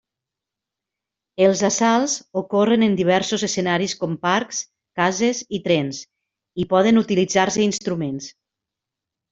Els assalts ocorren en diversos escenaris com parcs, cases i trens i poden utilitzar-se instruments.